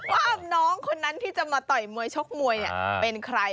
ว่าน้องคนนั้นที่จะมาต่อยมวยชกมวยเป็นใคร